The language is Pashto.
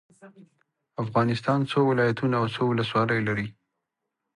افغانستان څو ولايتونه او څو ولسوالي لري؟